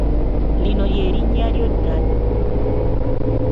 Lino ly’erinnya lyo ddala.